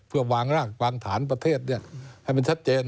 เพื่อวางร่างวางฐานประเทศให้มันชัดเจน